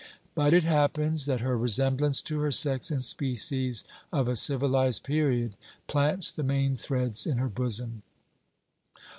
But it happens that her resemblance to her sex and species of a civilized period plants the main threads in her bosom.